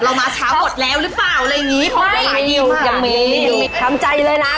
เรามาช้าหมดแล้วหรือเปล่าอะไรแบบทำใจเลยนะ